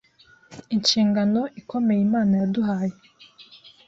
inshingano ikomeye Imana yaduhaye